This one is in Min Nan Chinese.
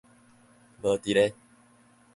無佇咧